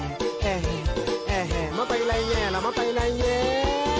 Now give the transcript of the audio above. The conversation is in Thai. แอ้แห้แอ้แห้มาไปไล่แงะเรามาไปไล่แงะ